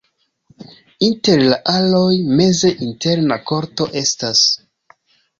Inter la aloj meze interna korto estas.